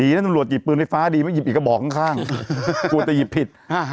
ถ้าตำรวจหยิบปืนไฟฟ้าดีไม่หยิบอีกกระบอกข้างกลัวจะหยิบผิด